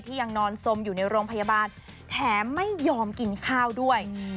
ยังนอนสมอยู่ในโรงพยาบาลแถมไม่ยอมกินข้าวด้วย